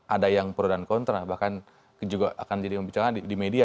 ada yang pro dan kontra bahkan juga akan jadi pembicara di media